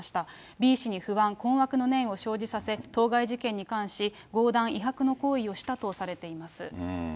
Ｂ氏に不安、困惑の念を生じさせ、当該事件に関し、強談威迫の行為をしたとされています。